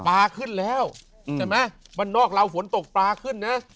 ปลาขึ้นแล้วอืมใช่ไหมมันนอกเราฝนตกปลาขึ้นนะ